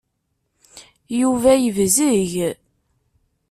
Yuba yebzeg.